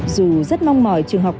dù rất mong mỏi trường học